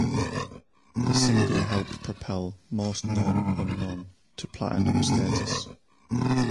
The single helped propel "Most Known Unknown" to platinum status.